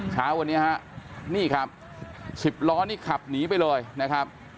เช้าวันนี้ฮะนี่ครับ๑๐ล้อนี่ขับหนีไปเลยนะครับ